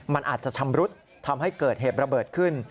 มันอาจจะชำรุดทำให้เกิดเหตุระเบิดขึ้น